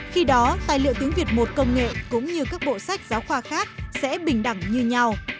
khi đó tài liệu tiếng việt một công nghệ cũng như các bộ sách giáo khoa khác sẽ bình đẳng như nhau